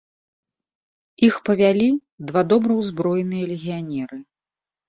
Іх павялі два добра ўзброеныя легіянеры.